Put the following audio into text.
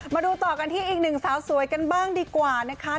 มาดูต่อกันที่อีกหนึ่งสาวสวยกันบ้างดีกว่านะคะ